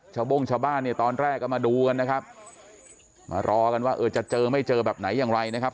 โบ้งชาวบ้านเนี่ยตอนแรกก็มาดูกันนะครับมารอกันว่าเออจะเจอไม่เจอแบบไหนอย่างไรนะครับ